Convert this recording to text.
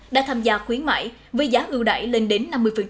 đã tham gia khuyến mại với giá ưu đại lên đến năm mươi